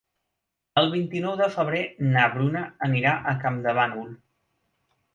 El vint-i-nou de febrer na Bruna anirà a Campdevànol.